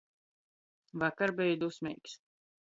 Vakar beju dusmeigs.